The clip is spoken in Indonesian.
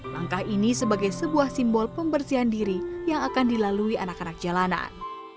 langkah ini sebagai sebuah simbol pembersihan diri yang akan dilalui anak anak jalanan